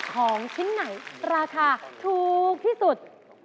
ของชิ้นไหนราคาถูกที่สุด